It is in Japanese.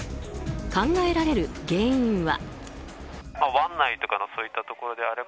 考えられる原因は。